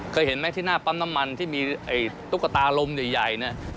เคยเห็นไหมที่หน้าปั๊มน้ำมันที่มีไอ้ตุ๊กตาลมใหญ่เนี่ย